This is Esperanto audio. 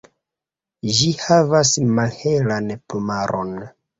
Ĝi havas malhelan plumaron.